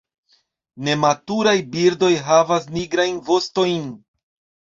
Nematuraj birdoj havas nigrajn vostojn.